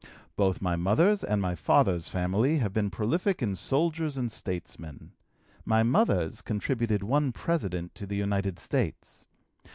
Both my mother's and my father's families have been prolific in soldiers and statesmen; my mother's contributed one president to the United States.